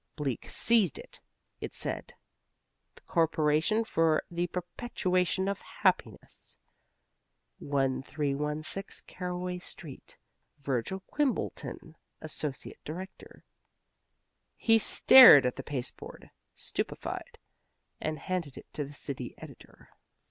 Bleak seized it. It said: THE CORPORATION FOR THE PERPETUATION OF HAPPINESS 1316 Caraway Street Virgil Quimbleton, Associate Director He stared at the pasteboard, stupefied, and handed it to the city editor.